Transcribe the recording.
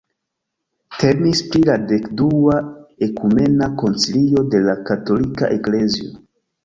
Temis pri la dekdua ekumena koncilio de la katolika eklezio.